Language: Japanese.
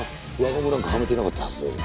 輪ゴムなんかはめてなかったはずだぞ？